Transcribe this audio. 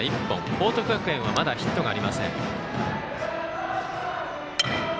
報徳学園はまだヒットがありません。